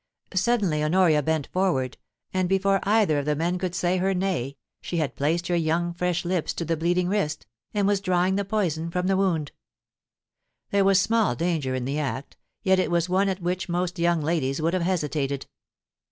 Suddenly Honoria bent forward, and before either of the men could say her nay, she had placed her young fresh lips to the bleeding wrist, and was drawing the poison from the wound. There was small danger in the act, yet it was one at which most young ladies would have hesitated.